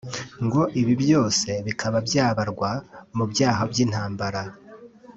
ngo ibi byose bikaba byabarwa mu byaha by’intambara